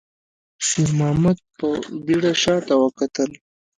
شېرمحمد په بيړه شاته وکتل.